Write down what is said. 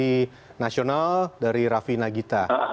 dari nasional dari raffi nagita